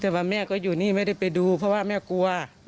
แต่ว่าแม่ก็อยู่นี่ไม่ได้ไปดูเพราะว่าแม่กลัว